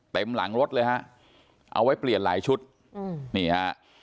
หลังรถเลยฮะเอาไว้เปลี่ยนหลายชุดอืมนี่ฮะ